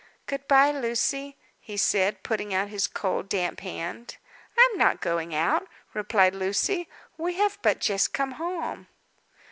"Good bye, Lucy," he said, putting out his cold, damp hand. "I am not going out," replied Lucy. "We have but just come home."